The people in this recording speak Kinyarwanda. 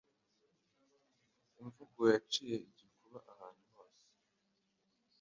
imvugo yaciye igikuba ahantu hose